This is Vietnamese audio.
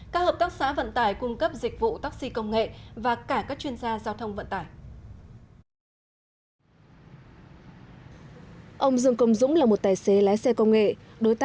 các hợp tác xã vận tải cung cấp dịch vụ taxi công nghệ và cả các chuyên gia giao thông vận tải